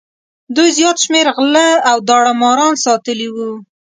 دوی زیات شمېر غله او داړه ماران ساتلي وو.